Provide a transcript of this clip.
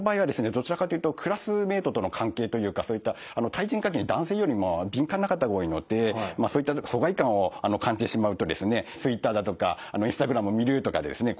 どちらかというとクラスメートとの関係というかそういった対人関係に男性よりも敏感な方が多いのでそういった疎外感を感じてしまうとですねＴｗｉｔｔｅｒだとかＩｎｓｔａｇｒａｍを見るとかでですね